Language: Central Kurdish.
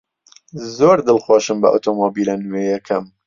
زۆر دڵخۆشم بە ئۆتۆمۆبیلە نوێیەکەم.